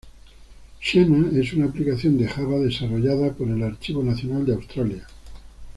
Xena es una aplicación de Java desarrollada por el Archivo Nacional de Australia.